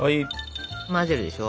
混ぜるでしょ。